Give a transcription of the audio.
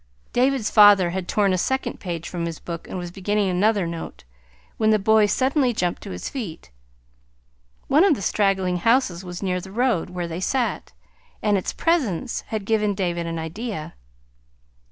David's father had torn a second page from his book and was beginning another note, when the boy suddenly jumped to his feet. One of the straggling houses was near the road where they sat, and its presence had given David an idea.